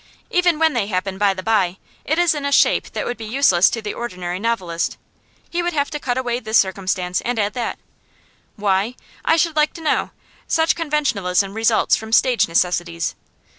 Even when they happen, by the bye, it is in a shape that would be useless to the ordinary novelist; he would have to cut away this circumstance, and add that. Why? I should like to know. Such conventionalism results from stage necessities.